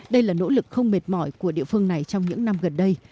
đây là nỗ lực không mệt mỏi của địa phương này trong những năm gần đây